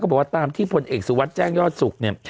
เขาก็บอกว่าตามที่ผลเอกสุรวจแจ้งยอดศุกร์เนี่ย